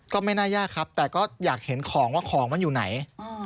ก็ไม่น่ายากครับแต่ก็อยากเห็นของว่าของมันอยู่ไหน